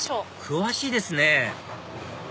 詳しいですね